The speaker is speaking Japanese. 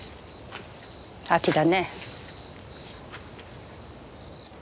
秋だね。